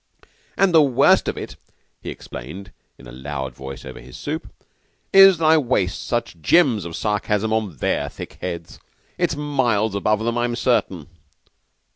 "And the worst of it," he explained in a loud voice over his soup, "is that I waste such gems of sarcasm on their thick heads. It's miles above them, I'm certain."